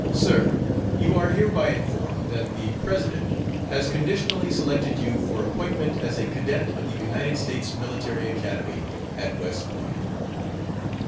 SIR: You are hereby informed that the President has conditionally selected you for appointment as a Cadet of the United States Military Academy at West Point.